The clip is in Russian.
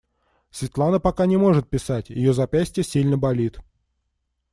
Светлана пока не может писать, ее запястье сильно болит.